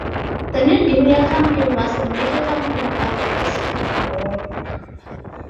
The New Guinea campaign was a major campaign of the Pacific War.